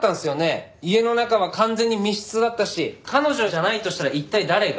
家の中は完全に密室だったし彼女じゃないとしたら一体誰が？